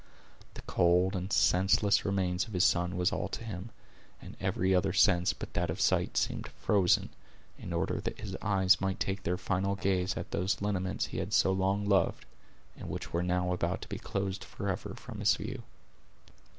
The cold and senseless remains of his son was all to him, and every other sense but that of sight seemed frozen, in order that his eyes might take their final gaze at those lineaments he had so long loved, and which were now about to be closed forever from his view.